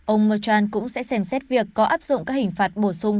ông murchal cũng sẽ xem xét việc có áp dụng các hình phạt bổ sung